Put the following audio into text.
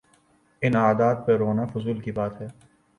ان عادات پہ رونا فضول کی بات ہے۔